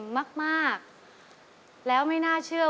กลับมาฟังเพลง